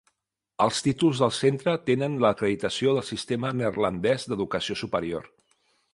Els títols del centre tenen l'acreditació del sistema neerlandès d'educació superior.